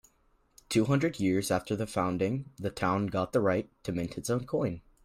Two hundred years after founding, the town got the right to mint its own coin.